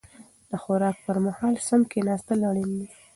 د خوراک پر مهال سم کيناستل اړين دي.